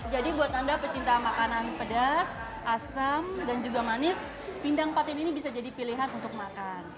jadi buat anda pecinta makanan pedas asam dan juga manis bindang patin ini bisa jadi pilihan untuk makan